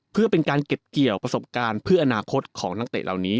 เพื่อเป็นการเก็บเกี่ยวประสบการณ์เพื่ออนาคตของนักเตะเหล่านี้